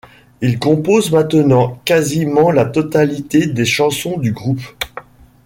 Il compose maintenant quasiment la totalité des chansons du groupe.